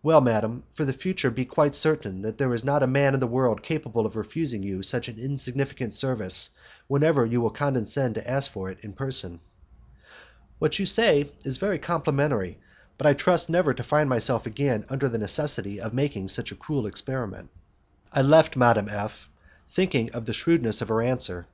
"Well, madam, for the future be quite certain that there is not a man in the world capable of refusing you such an insignificant service whenever you will condescend to ask for it in person." "What you say is very complimentary, but I trust never to find myself again under the necessity of making such a cruel experiment." I left Madame F , thinking of the shrewdness of her answer.